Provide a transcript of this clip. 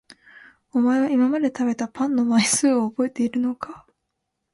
お前は今まで食べたパンの枚数を覚えているのか？